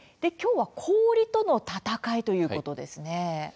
きょうは氷との闘いということですね。